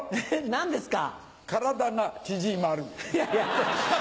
何ですか？